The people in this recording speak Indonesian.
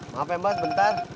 maaf ya mas bentar